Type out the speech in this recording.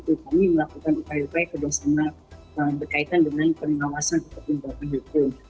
kami melakukan upaya upaya kerjasama berkaitan dengan penyelawasan untuk lintungan hukum